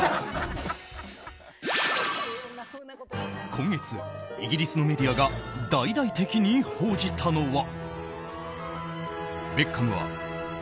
今月、イギリスのメディアが大々的に報じたのは。